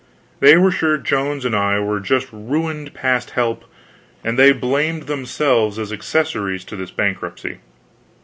They were sure Jones and I were ruined past help, and they blamed themselves as accessories to this bankruptcy.